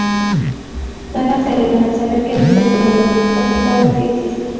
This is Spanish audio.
Tara se alegra al saber que nunca estuvo loca, porque Paul sí existe.